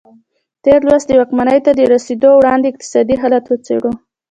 تېر لوست د واکمنۍ ته تر رسېدو وړاندې اقتصادي حالت وڅېړه.